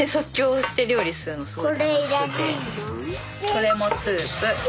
これもスープ。